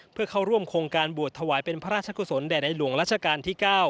เพื่อเข้าร่วมโครงการบวชถวายเป็นพระราชกุศลแด่ในหลวงรัชกาลที่๙